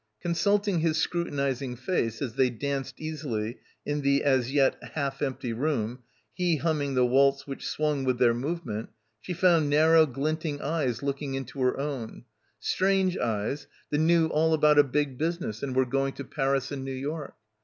Consulting his scrutinising face as they danced easily in the as yet half empty room, he humming the waltz which swung with their movement, she found narrow, glinting eyes looking into her own; strange eyes that knew all about a big business and were going to Paris and New York.